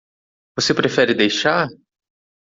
Você prefere deixar?